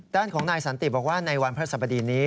ด้านของนายสันติบอกว่าในวันพระสบดีนี้